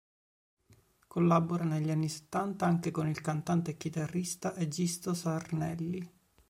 Collabora, negli anni Settanta, anche con il cantante e chitarrista Egisto Sarnelli.